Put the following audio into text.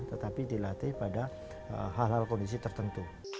tetapi dilatih pada hal hal kondisi tertentu